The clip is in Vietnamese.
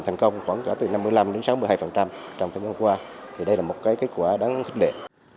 thành công khoảng cả từ năm mươi năm đến sáu mươi hai trong một mươi năm qua thì đây là một cái kết quả đáng khích lệ